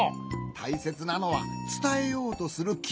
たいせつなのはつたえようとするきもち。